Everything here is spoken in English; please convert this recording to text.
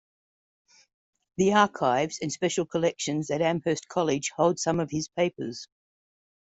The Archives and Special Collections at Amherst College holds some of his papers.